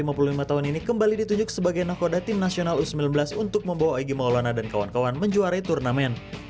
ketika berhasil menangani tim nas u lima belas kembali ditunjuk sebagai nakoda tim nasional u sembilan belas untuk membawa egy maulana dan kawan kawan menjuarai turnamen